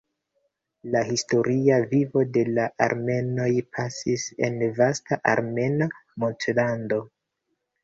La historia vivo de la armenoj pasis en vasta armena montolando.